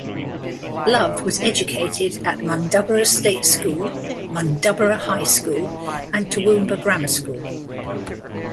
Love was educated at Mundubbera State School, Mundubbera High School and Toowoomba Grammar School.